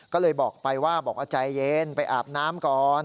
ก็เลยบอกไปว่าบอกว่าใจเย็นไปอาบน้ำก่อน